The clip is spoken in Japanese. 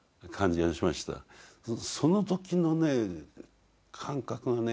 その時のね感覚がね